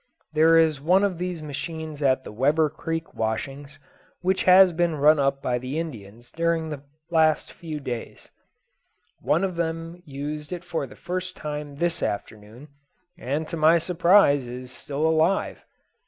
There is one of these machines at the Weber Creek washings, which has been run up by the Indians during the last few days. One of them used it for the first time this afternoon, and to my surprise is still alive.